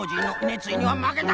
ついにはまけた！